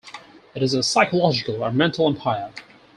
It is a psychological or mental empire.